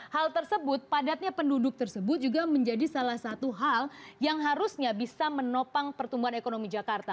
hal tersebut padatnya penduduk tersebut juga menjadi salah satu hal yang harusnya bisa menopang pertumbuhan ekonomi jakarta